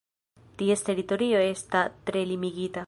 Ties teritorio esta tre limigita.